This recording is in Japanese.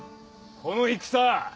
この戦！